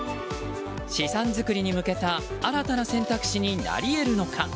資産作りに向けた新たな選択肢になり得るのか。